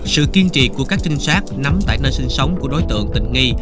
sự kiên trì của các trinh sát nắm tại nơi sinh sống của đối tượng tình nghi